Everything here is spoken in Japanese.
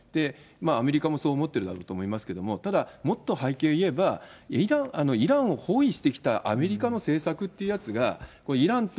アメリカもそう思ってるだろうと思いますけれども、ただもっと背景言えば、イランを包囲してきたアメリカの政策っていうやつが、イランと、